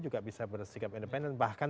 juga bisa bersikap independen bahkan